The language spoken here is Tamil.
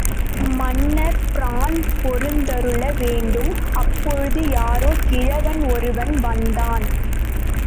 மன்னர் பிரான் பொறுத்தருள வேண்டும்!... அப்போது, யாரோ கிழவன் ஒருவன் வந்தான்.